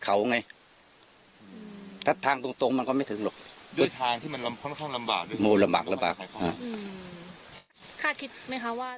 คาดคิดไหมคะว่า